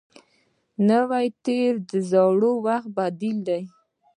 نوی تېر د زاړه وخت بدیل وي